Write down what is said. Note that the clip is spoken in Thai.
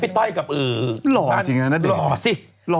พี่ต้อยกับหรอกจริงนะณเดชน์